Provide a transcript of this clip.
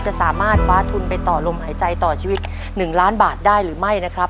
จะสามารถคว้าทุนไปต่อลมหายใจต่อชีวิต๑ล้านบาทได้หรือไม่นะครับ